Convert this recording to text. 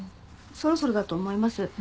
そろそろだと思います。